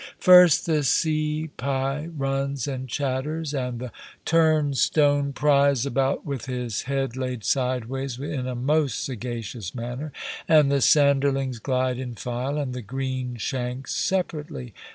First the seapie runs and chatters, and the turn stone pries about with his head laid sideways in a most sagacious manner, and the sanderlings glide in file, and the greenshanks separately.